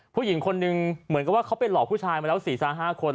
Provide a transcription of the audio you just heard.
ผู้หญิงคนหนึ่งเหมือนกับว่าเขาไปหลอกผู้ชายมาแล้ว๔๕คน